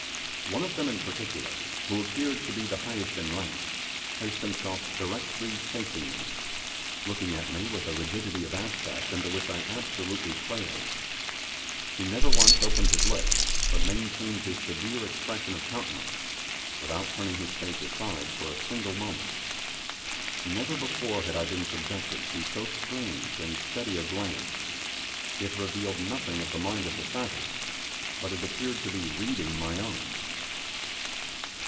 One of them in particular, who appeared to be the highest in rank, placed himself directly facing me, looking at me with a rigidity of aspect under which I absolutely quailed. He never once opened his lips, but maintained his severe expression of countenance, without turning his face aside for a single moment. Never before had I been subjected to so strange and steady a glance; it revealed nothing of the mind of the savage, but it appeared to be reading my own.